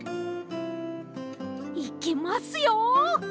いきますよ！